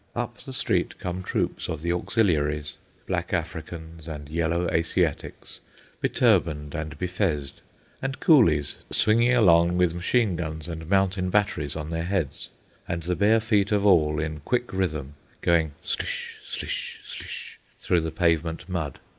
Up the street come troops of the auxiliaries, black Africans and yellow Asiatics, beturbaned and befezed, and coolies swinging along with machine guns and mountain batteries on their heads, and the bare feet of all, in quick rhythm, going slish, slish, slish through the pavement mud.